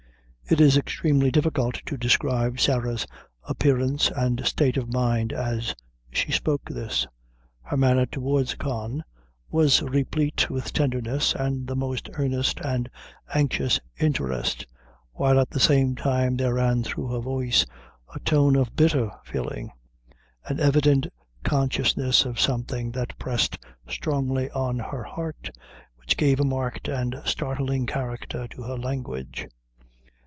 It is extremely difficult to describe Sarah's appearance and state of mind as she spoke this. Her manner towards Con was replete with tenderness, and the most earnest and anxious interest, while at the same time there ran through her voice a tone of bitter feeling, an evident consciousness of something that pressed strongly on her heart, which gave a marked and startling character to her language.